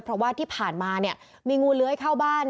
เพราะว่าที่ผ่านมามีงูเล้ยเข้าบ้าน